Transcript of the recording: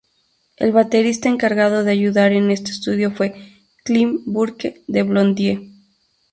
El baterista encargado de ayudar en este estudio fue Clem Burke de Blondie